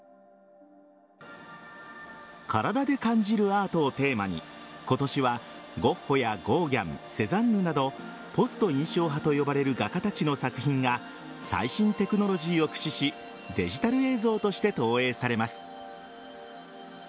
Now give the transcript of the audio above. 体で感じるアートをテーマに今年はゴッホやゴーギャンセザンヌなどポスト印象派と呼ばれる画家たちの作品が最新テクノロジーを駆使しデジタル映像として投影されます。